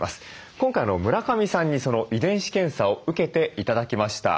今回村上さんにその遺伝子検査を受けて頂きました。